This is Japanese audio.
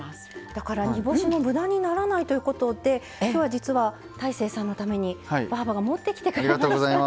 だから煮干しも無駄にならないということで今日は実は大晴さんのためにばぁばが持ってきてくれました。